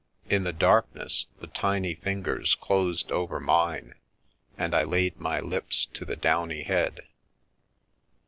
In the darkness the tin] fingers closed over mine, and I laid my lips to the down; head.